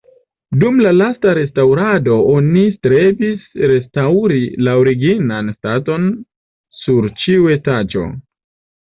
Dum la lasta restaŭrado oni strebis restaŭri la originan staton sur ĉiu etaĝo.